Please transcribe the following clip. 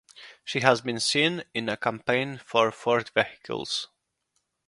She has been seen in a campaign for Ford vehicles.